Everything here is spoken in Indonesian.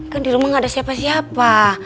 kan di rumah gak ada siapa siapa